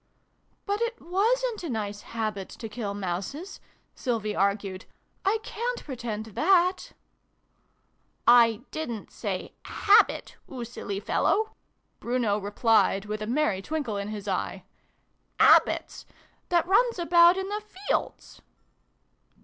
" But it wasrit a nice habit, to kill Mouses," Sylvie argued. " I can't pretend that /"" I didn't say ' habit] oo silly fellow !" Bruno replied with a merry twinkle in his eye. " Bab bits that runs about in the fields